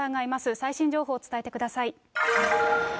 最新情報を伝えてください。